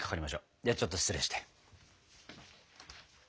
ではちょっと失礼して。